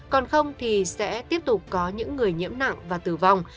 còn không thì sẽ tiếp tục có những người nhiễm nặng và tử vong